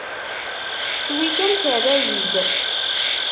Cwi kan terra-yi-d.